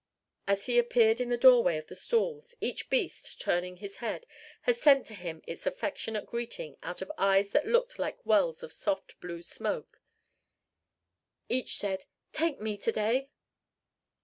As he appeared in the doorway of the stalls, each beast, turning his head, had sent to him its affectionate greeting out of eyes that looked like wells of soft blue smoke: each said, "Take me to day."